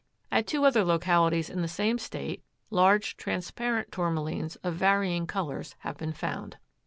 At two other localities in the same State large transparent Tourmalines of varying colors have been found.